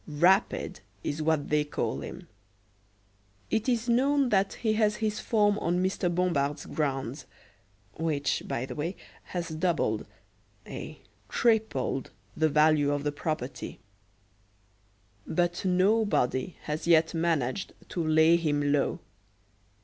"Rapid" is what they call him. It is known that he has his form on M. Bompard's grounds which, by the way, has doubled, ay, tripled, the value of the property but nobody has yet managed to lay him low.